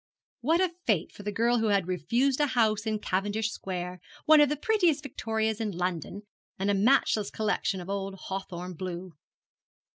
What a fate for the girl who had refused a house in Cavendish square, one of the prettiest victorias in London, and a matchless collection of old hawthorn blue!